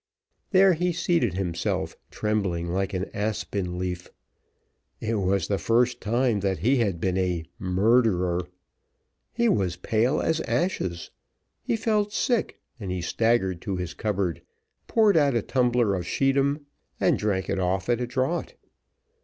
There he seated himself, trembling like an aspen leaf. It was the first time that he had been a murderer. He was pale as ashes. He felt sick, and he staggered to his cupboard, poured out a tumbler of scheedam, and drank it off at a draught.